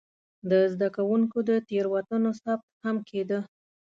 د زده کوونکو د تېروتنو ثبت هم کېده.